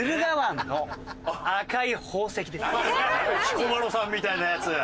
彦摩呂さんみたいなやつ。